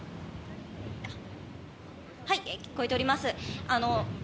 はい、聞こえております。